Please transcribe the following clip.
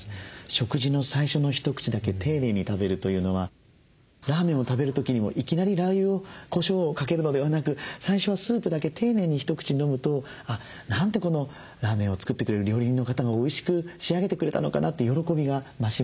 食事の最初の一口だけ丁寧に食べるというのはラーメンを食べる時にもいきなりラー油をこしょうをかけるのではなく最初はスープだけ丁寧に一口飲むとなんてこのラーメンを作ってくれる料理人の方がおいしく仕上げてくれたのかなって喜びが増します。